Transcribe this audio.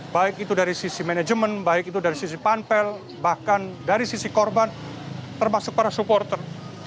baik itu dari sisi manajemen baik itu dari sisi panpel bahkan dari sisi korban termasuk para supporter